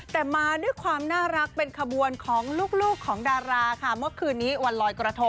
แต่มาด้วยความน่ารักเป็นขบวนของลูกของดาราค่ะเมื่อคืนนี้วันลอยกระทง